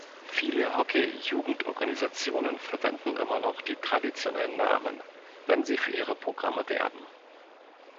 Viele Hockey-Jugendorganisationen verwenden immer noch die traditionellen Namen, wenn sie für ihre Programme werben.